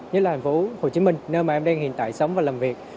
như là thành phố hồ chí minh nơi mà em đang hiện tại sống và làm việc